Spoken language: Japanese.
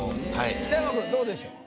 北山君どうでしょう？